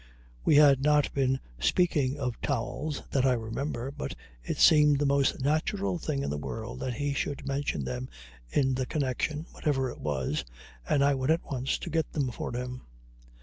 We had not been speaking of towels, that I remember, but it seemed the most natural thing in the world that he should mention them in the connection, whatever it was, and I went at once to get them for him.